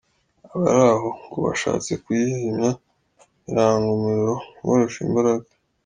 Abari aho ngo bashatse kuyizimya biranga, umuriro ubarusha imbaraga.